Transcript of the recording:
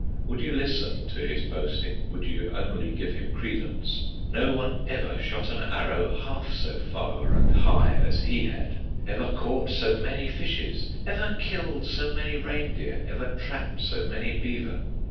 Would you listen to his boasting, Would you only give him credence, No one ever shot an arrow Half so far and high as he had; Ever caught so many fishes, Ever killed so many reindeer, Ever trapped so many beaver!